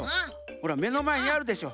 ほらめのまえにあるでしょ。